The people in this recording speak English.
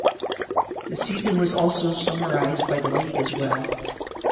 The season was also summarised by the league as well.